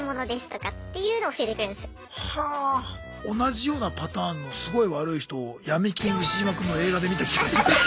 同じようなパターンのすごい悪い人を「闇金ウシジマくん」の映画で見た気がする。